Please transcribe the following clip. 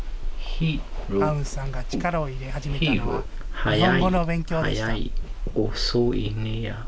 アウンさんが力を入れ始めたのは、日本語の勉強でした。